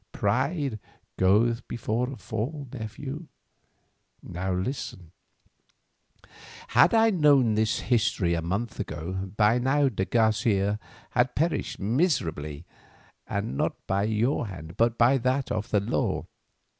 "Pride goeth before a fall, nephew. Now listen: had I known this history a month ago, by now de Garcia had perished miserably, and not by your hand, but by that of the law.